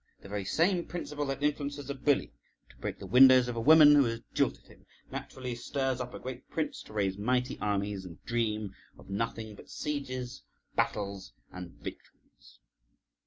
The very same principle that influences a bully to break the windows of a woman who has jilted him naturally stirs up a great prince to raise mighty armies and dream of nothing but sieges, battles, and victories.